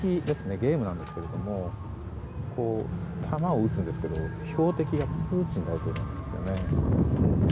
ゲームなんですけれども弾を撃つんですけど標的がプーチン大統領なんですよね。